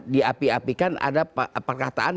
diapi apikan ada perkataan